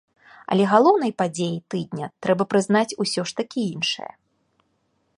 Але галоўнай падзеяй тыдня трэба прызнаць усё ж такі іншае.